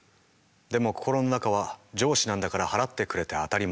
でも心の中は「上司なんだから払ってくれて当たり前」。